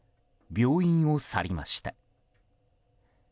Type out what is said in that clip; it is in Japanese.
病院を去りました。